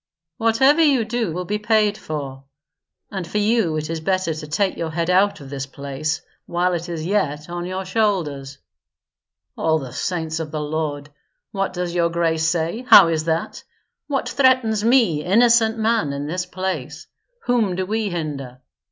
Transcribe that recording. "Whatever you do will be paid for; and for you it is better to take your head out of this place while it is yet on your shoulders." "All the Saints of the Lord! What does your grace say? How is that? What threatens me, innocent man, in this place? Whom do we hinder?"